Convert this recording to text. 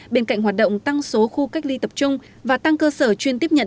bên cạnh hoạt động tăng số khu cách ly tập trung và tăng cơ sở chuyên tiếp nhận